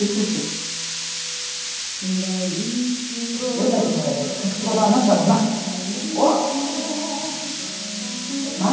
俺たちの間で隠し事はなしだもんな。おう！